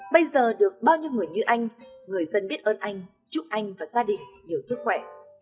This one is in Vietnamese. bây giờ được bao nhiêu người như anh người dân biết ơn anh chúc anh và gia đình nhiều sức khỏe